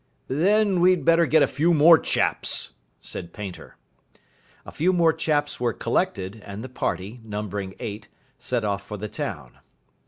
"Then we'd better get a few more chaps," said Painter. A few more chaps were collected, and the party, numbering eight, set off for the town.